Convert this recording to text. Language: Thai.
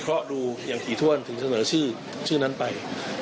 เพราะดูอย่างถี่ถ้วนถึงเสนอชื่อนั้นไป